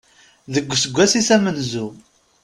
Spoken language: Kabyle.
Deg useggas-is amenzu.